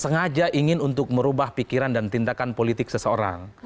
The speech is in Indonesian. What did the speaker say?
sengaja ingin untuk merubah pikiran dan tindakan politik seseorang